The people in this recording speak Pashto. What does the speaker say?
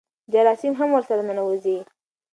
جراثیم هم ورسره ننوځي.